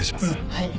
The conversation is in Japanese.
はい。